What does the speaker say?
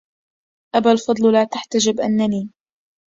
أبا الفضل لا تحتجب إنني